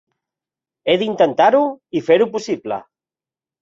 He d'intentar-ho i fer-ho possible.